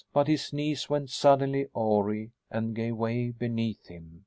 But his knees went suddenly awry and gave way beneath him.